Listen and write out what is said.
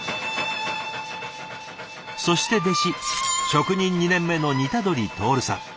そして弟子職人２年目の似鳥透さん。